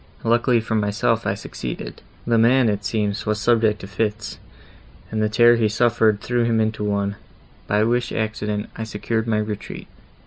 Luckily for myself I succeeded; the man, it seems, was subject to fits, and the terror he suffered threw him into one, by which accident I secured my retreat.